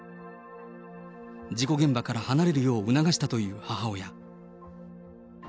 事故現場から離れるよう促したという母親。